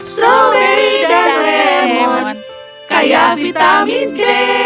strawberry dan lemon kaya vitamin c